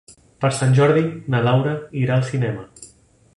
Per Sant Jordi na Laura irà al cinema.